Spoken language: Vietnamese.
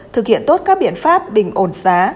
thực hiện tốt các biện pháp bình ổn giá